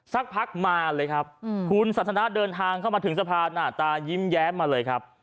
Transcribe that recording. สักพักมาเลยครับคุณสันทนาเดินทางเข้ามาถึงสะพานหน้าตายิ้มแย้มมาเลยครับ